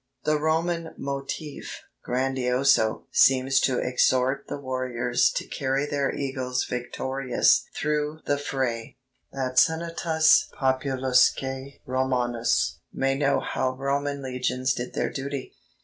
The Roman motif (grandioso) seems to exhort the warriors to carry their eagles victorious through the fray, that Senatus populusque Romanus may know how Roman legions did their duty.